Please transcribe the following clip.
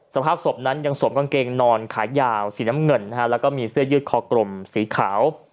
สภาพศพนั้นยังสวมกางเกงนอนขายาวสีน้ำเงินแล้วก็มีเสื้อยืดคอกลมสีขาว